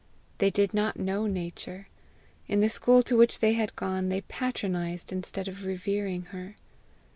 They did not know nature: in the school to which they had gone they patronized instead of revering her.